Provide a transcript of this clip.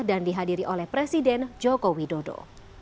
dan dihadiri oleh presiden joko widodo